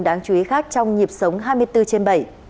và những bản chú ý khác trong nhịp sống hai mươi bốn trên bảy